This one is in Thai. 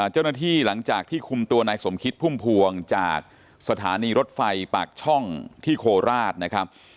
หลังจากที่คุมตัวนายสมคิดพุ่มพวงจากสถานีรถไฟปากช่องที่โคราชนะครับ